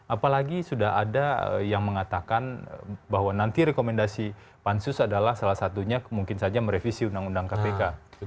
apalagi sudah ada yang mengatakan bahwa nanti rekomendasi pansus adalah salah satunya mungkin saja merevisi undang undang kpk